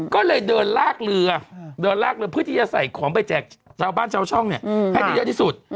ก็เลยเดินลากเรือเดินลากเรือเพื่อที่จะใส่ของไปแจกชาวบ้านชาวช่องให้ได้เยอะที่สุด